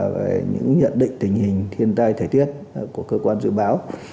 về những nhận định tình hình thiên tai thời tiết của cơ quan dự báo